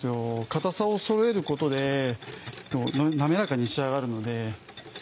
かたさを揃えることで滑らかに仕上がるので。